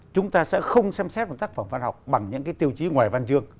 chúng ta sẽ không xem xét một tác phẩm văn học bằng những cái tiêu chí ngoài văn chương